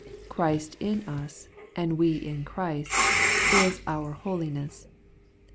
' Christ in us, and we in Christ,' is our holiness.